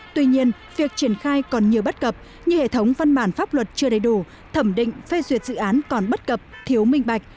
tuy nhiên việc triển khai còn nhiều bất cập như hệ thống văn bản pháp luật chưa đầy đủ thẩm định phê duyệt dự án còn bất cập thiếu minh bạch